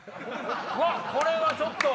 これはちょっと。